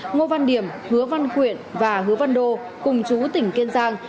ngô văn điểm hứa văn quyện và hứa văn đô cùng chú tỉnh kiên giang